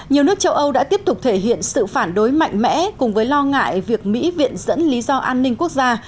nhiều nước châu âu đã tiếp tục thể hiện sự phản đối mạnh mẽ cùng với lo ngại việc mỹ viện dẫn lý do an ninh quốc gia